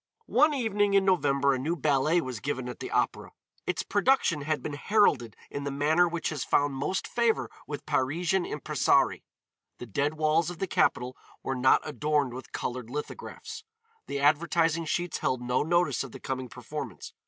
One evening in November a new ballet was given at the Opéra. Its production had been heralded in the manner which has found most favor with Parisian impressarii. The dead walls of the capital were not adorned with colored lithographs. The advertising sheets held no notice of the coming performance.